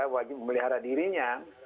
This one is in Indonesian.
wajib memelihara dirinya